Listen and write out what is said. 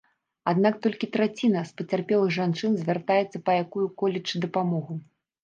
Аднак толькі траціна з пацярпелых жанчын звяртаецца па якую-колечы дапамогу.